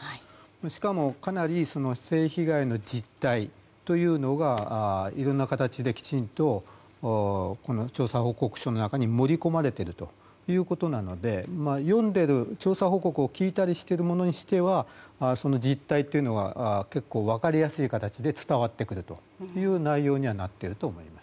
しかも、かなり性被害の実態というのがいろいろな形できちんと調査報告書の中に盛り込まれているということなので調査報告を聞いていたりしたりするものはその実態というのは結構、分かりやすい形で伝わってくるという内容になっていると思います。